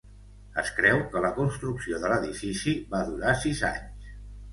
Es creu que la construcció de l'edifici va durar sis anys.